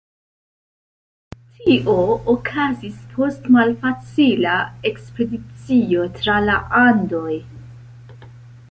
Tio okazis post malfacila ekspedicio tra la Andoj.